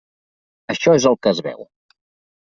Això és el que es veu.